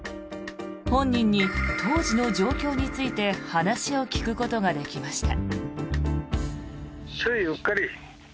本人に当時の状況について話を聞くことができました。